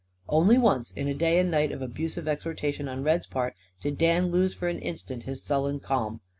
Only once, in a day and night of abusive exhortation on Red's part, did Dan lose for an instant his sullen calm.